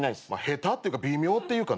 下手っていうか微妙っていうか。